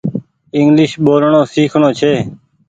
انگليش ٻولڻو سيکڻو ڇي۔